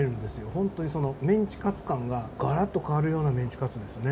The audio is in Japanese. ホントにそのメンチカツ観がガラッと変わるようなメンチカツですね。